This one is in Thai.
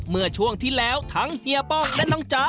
เมื่อช่วงที่แล้วทั้งเฮียป้องและน้องจ๊ะ